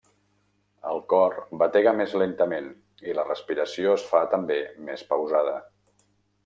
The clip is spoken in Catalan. El cor batega més lentament i la respiració es fa també més pausada.